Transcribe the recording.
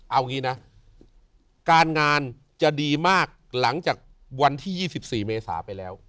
เอางี้นะการงานจะดีมากหลังจากวันที่๒๔เมษาไปแล้ว